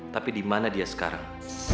tapi dimana dia sekarang